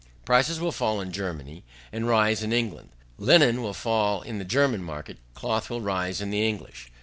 Prices will fall in Germany, and rise in England; linen will fall in the German market; cloth will rise in the English.